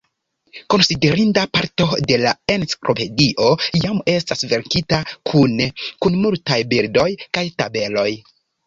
Konsiderinda parto de la enciklopedio jam estas verkita kune kun multaj bildoj kaj tabeloj.